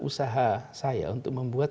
usaha saya untuk membuat